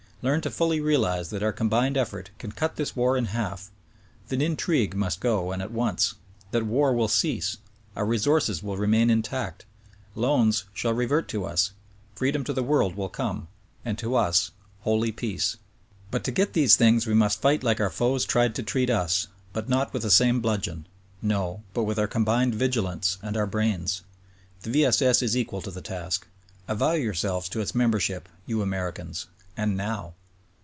Learn to fully realize that our com.bincd effort can cut this war in half; that intrigue must go and at once; that war will cease; our resources will remain intact ; loans shall revert to us, freedom to the world will come, and to us — ^lioly peace. But to get these things we must fight like our foes tried to treat us — but not with the same bludgeon — no; but with our combined vigilance and our brains. The V. S. S. is equal to the task. Avow yourselves to its membership, you Americans, and now